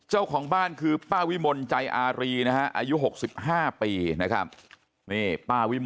เออก็น่าเห็นใจอ่ะดูสิเห็นไหม